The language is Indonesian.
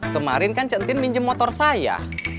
kemarin kan centin minjem motor saya